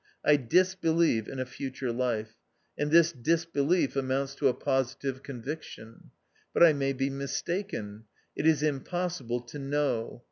I disbelieve in a future life ; and this disbelief amounts to a positive con viction. But I may be mistaken. It is impossible to know.